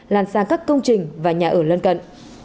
lan sang các công trình và nhà ở lân cận